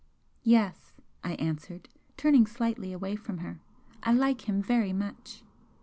"Yes," I answered, turning slightly away from her "I like him very much."